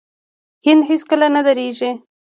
هند هیڅکله نه دریږي.